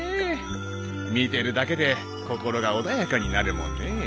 見てるだけで心が穏やかになるもんね。